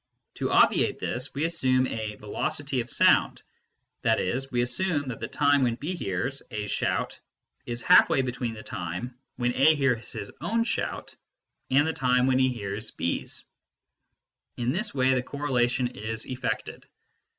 To obviate this, we assume a " velocity of sound." That is, we assume that the time when B hears A s shout is half way between the time when A hears his own shout and the time when he hears B s. In this way the correlation is effected.